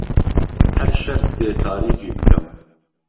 ههر شهرت بێ تاریفی بکهم